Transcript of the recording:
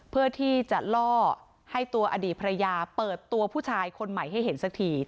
เพื่อที่จะล่อให้ตัวอดีตภรรยาเปิดตัวผู้ชายคนใหม่ให้เห็นสักที